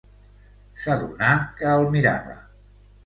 S'adonà que el mirava.